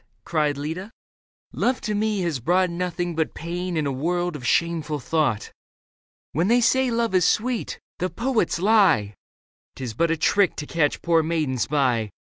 cried Leda. " Love to me has brought Nothing but pain and a world of shameful thought. When they say love is sweet, the poets lie ; 'Tis but a trick to catch poor maidens by.